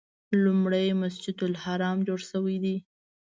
لومړی مسجد الحرام جوړ شوی دی.